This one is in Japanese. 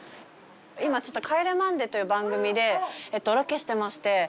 今ちょっと『帰れマンデー』という番組でえっとロケしてまして。